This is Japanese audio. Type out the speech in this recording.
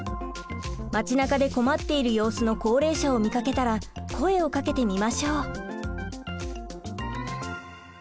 街なかで困っている様子の高齢者を見かけたら声をかけてみましょう。